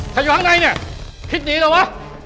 ถ้าอยู่ข้างในเนี่ยคิดหนีแล้ววะ